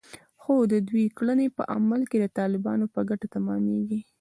خو د دوی کړنې په عمل کې د طالبانو په ګټه تمامېږي